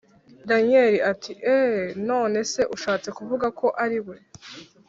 daniel ati: eheee! nonese ushatse kuvuga ko ariwe